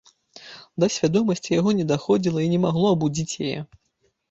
Да свядомасці яго не даходзіла і не магло абудзіць яе.